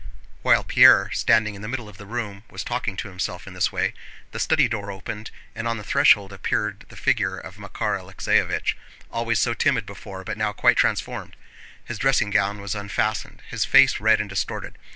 While Pierre, standing in the middle of the room, was talking to himself in this way, the study door opened and on the threshold appeared the figure of Makár Alexéevich, always so timid before but now quite transformed. His dressing gown was unfastened, his face red and distorted.